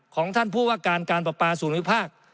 ของท่านผู้ว่าการการประปาส่วนวิภาค